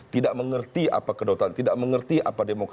tidak mengerti apa kedaulatan tidak mengerti apa demokrasi